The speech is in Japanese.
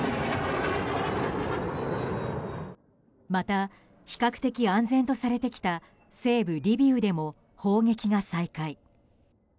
また、比較的安全とされてきた西部リビウでも、砲撃が再開。